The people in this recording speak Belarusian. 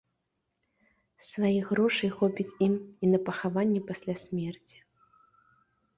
Сваіх грошай хопіць ім і на пахаванне пасля смерці.